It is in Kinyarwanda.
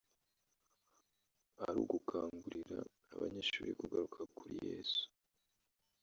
ari ugukangurira abanyeshuri kugaruka kuri Yesu